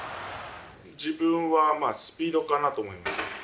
自分はまあスピードかなと思います。